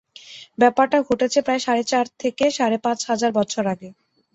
ব্যাপারটা ঘটেছে প্রায় সাড়ে চার থেকে সাড়ে পাঁচ হাজার বছর আগে।